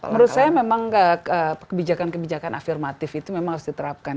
menurut saya memang kebijakan kebijakan afirmatif itu memang harus diterapkan